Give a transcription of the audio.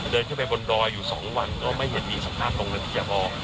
เดินขึ้นไปบนดอยอยู่๒วันก็ไม่เห็นมีสภาพตรงนั้นที่จะพอ